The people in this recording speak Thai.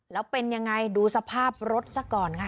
แล้วเป็นยังไงดูสภาพรถซะก่อนค่ะ